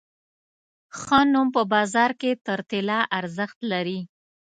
ښه نوم په بازار کې تر طلا ارزښت لري.